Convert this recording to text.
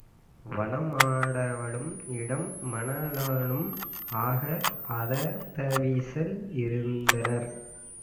வலம் மடவாளும் இடம் மணாளனும் ஆக அததவிசில் இருந்தனர்.